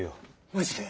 マジで？